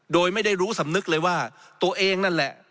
โดยไม่ได้รู้สำนึกเลยว่าตัวเองนั่นแหละ